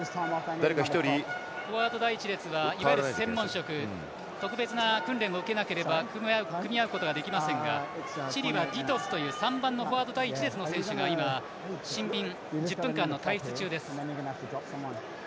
フォワード第１列はいわゆる専門職特別な訓練を受けなければ組むことができませんがチリはディトゥスというフォワード第１列の選手が今、シンビン１０分間の退出中です。